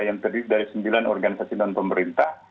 yang terdiri dari sembilan organisasi non pemerintah